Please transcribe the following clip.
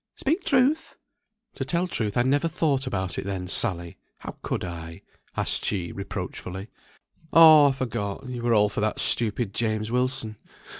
Speak truth!" "To tell truth, I never thought about it then, Sally. How could I?" asked she, reproachfully. "Oh I forgot. You were all for that stupid James Wilson.